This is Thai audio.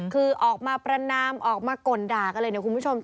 คือออกมาประนามออกมากล่นด่ากันเลยเนี่ยคุณผู้ชม